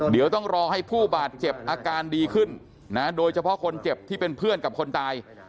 เดี๋ยวต้องรอให้ผู้บาดเจ็บอาการดีขึ้นนะโดยเฉพาะคนเจ็บที่เป็นเพื่อนกับคนตาย